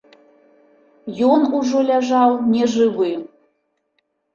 Ён ужо ляжаў нежывы.